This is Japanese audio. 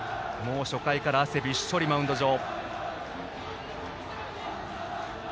初回から汗びっしょりのマウンド上。